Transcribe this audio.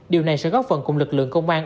điều này sẽ góp phần cùng lực lượng công an